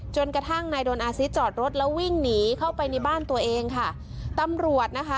จนกระทั่งนายโดนอาซิตจอดรถแล้ววิ่งหนีเข้าไปในบ้านตัวเองค่ะตำรวจนะคะ